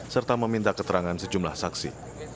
serta meminta keterangan sejumlah saksi